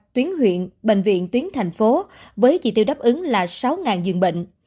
tuyến huyện bệnh viện tuyến thành phố với chỉ tiêu đáp ứng là sáu dường bệnh